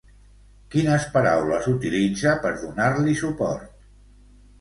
Quines paraules utilitza per donar-li suport?